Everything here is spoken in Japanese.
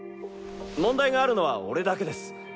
問題があるのは俺だけです。